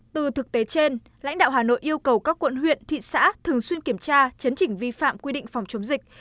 từ thực tế trên lãnh đạo hà nội yêu cầu các quận huyện thị xã thường xuyên kiểm tra chấn chỉnh vi phạm quy định phòng chống dịch